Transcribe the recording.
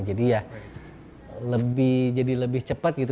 jadi ya jadi lebih cepat gitu